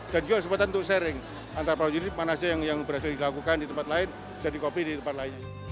dan juga kesempatan untuk sharing antara para unit mana saja yang berhasil dilakukan di tempat lain jadi kopi di tempat lain